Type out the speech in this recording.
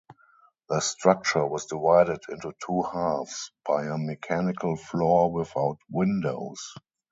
The structure was divided into two halves by a mechanical floor without windows.